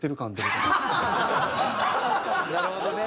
なるほどね。